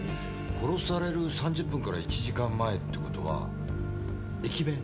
殺される３０分から１時間前ってことは駅弁？